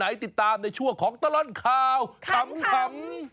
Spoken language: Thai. ติดตามในช่วงของตลอดข่าวขำ